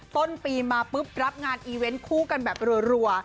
ต้นปีมาปุ๊บรับงานอีเวนต์คู่กันแบบรัว